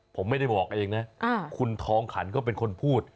ผมไม่ได้บอกเองนะคุณทองขันก็เป็นคนพูด